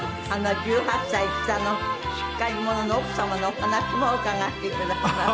１８歳下のしっかり者の奥様のお話も伺わせて頂きます。